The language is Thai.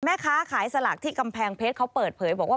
แม่ค้าขายสลากที่กำแพงเพชรเขาเปิดเผยบอกว่า